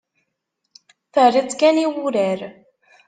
Terriḍ-tt kan i wurar.